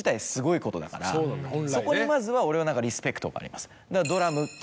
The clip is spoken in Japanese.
そこにまずは俺は何かリスペクトがあります。